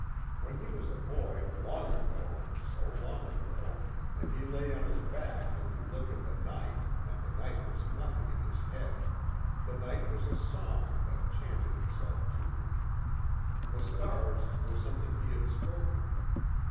When he was a boy long ago, so long ago, and he lay on his back and looked at the night and the night was nothing in his head, the night was a song that chanted itself to him. The stars were something he had spoken.